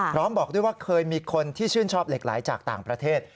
บอกด้วยว่าเคยมีคนที่ชื่นชอบเหล็กไหลจากต่างประเทศ